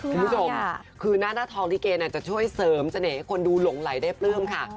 คุณผู้ชมคือหน้าทองลิเกจะช่วยเสริมเสน่ห์ให้คนดูหลงไหลได้ปลื้มค่ะ